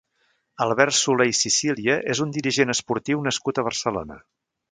Albert Soler i Sicília és un dirigent esportiu nascut a Barcelona.